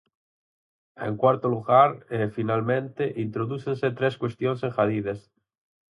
En cuarto lugar, e finalmente, introdúcense tres cuestións engadidas.